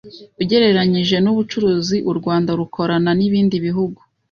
Ugereranyije n’ubucuruzi u Rwanda rukorana n’ibindi bihugu